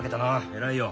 偉いよ。